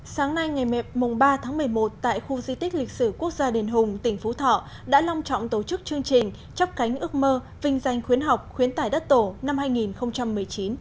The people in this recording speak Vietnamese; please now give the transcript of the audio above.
sáng nay ngày mẹp mùng ba tháng một mươi một tại khu di tích lịch sử quốc gia đền hùng tỉnh phú thọ đã long trọng tổ chức chương trình chắp cánh ước mơ vinh danh khuyến học khuyến tải đất tổ năm hai nghìn một mươi chín